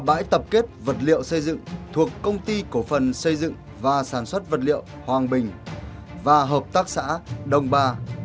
bãi tập kết vật liệu xây dựng thuộc công ty cổ phần xây dựng và sản xuất vật liệu hoàng bình và hợp tác xã đồng ba